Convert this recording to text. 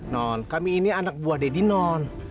non kami ini anak buah deddy non